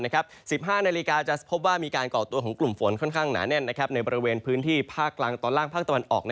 ๑๕นาฬิกาจะพบว่ามีการก่อตัวของกลุ่มฝนค่อนข้างหนาแน่นในบริเวณพื้นที่ภาคกลางตอนล่างภาคตะวันออก